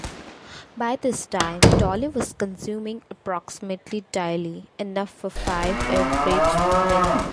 By this time, Dolly was consuming approximately daily, enough for five average women.